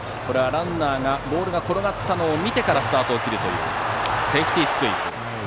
ランナーがボールが転がったのを見てからスタートを切ったセーフティースクイズ。